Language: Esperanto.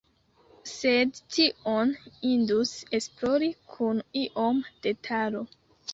Sed tion indus esplori kun ioma detalo.